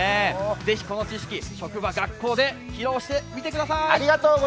ぜひ、この知識、職場・学校で披露してみてください。